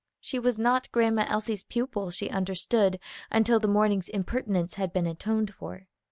She was not Grandma Elsie's pupil, she understood, until the morning's impertinence had been atoned for.